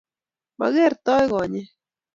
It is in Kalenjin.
makertoi konyek